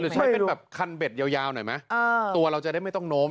ใช้เป็นแบบคันเบ็ดยาวหน่อยไหมตัวเราจะได้ไม่ต้องโน้ม